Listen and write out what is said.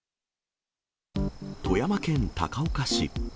富山県高岡市。